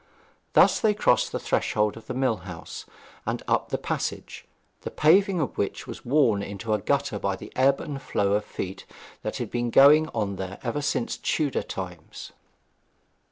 Thus they crossed the threshold of the mill house and up the passage, the paving of which was worn into a gutter by the ebb and flow of feet that had been going on there ever since Tudor times.